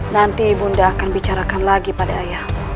nanti bunda akan bicarakan lagi pada ayahmu